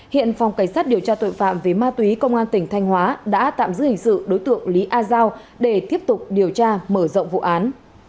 hiện phòng cảnh sát điều tra tội phạm về ma túy công an tỉnh thanh hóa đã tạm giữ hình sự đối tượng lý a giao để tiếp tục điều tra mở rộng vụ án